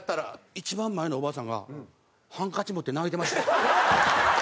一番前のおばあさんがハンカチ持って泣いてました。